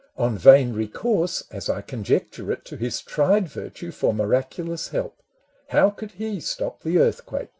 On vain recourse, as I conjecture it, To his tried virtue, for miraculous help — How could he stop the earthquake?